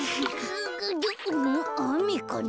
あめかな？